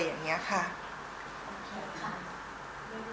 โอเคค่ะยังโหลหวัดคับขอบคุณมากเลยค่ะ